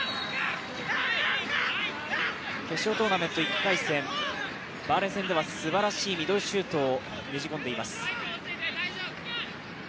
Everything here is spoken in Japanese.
決勝トーナメント１回戦、バーレーン戦ではすばらしいミドルシュートをねじ込んでいます。